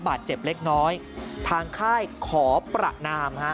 บาดเจ็บเล็กน้อยทางค่ายขอประนามฮะ